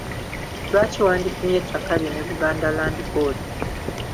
Lwaki wandipimye ettaka lyo ne Buganda Land Board?